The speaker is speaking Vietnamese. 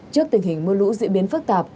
trước tình hình mưa lũ diễn biến phức tạp